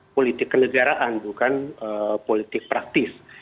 politik kenegaraan bukan politik praktis